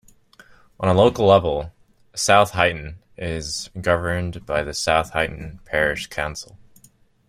On a local level, South Heighton is governed by the South Heighton Parish Council.